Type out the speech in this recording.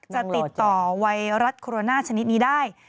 จะติดต่อไวรัสโคโรนาชนิดนี้ได้